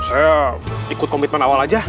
saya ikut komitmen awal aja